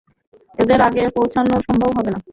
ওদের আগে পৌঁছানো সম্ভব হবে না।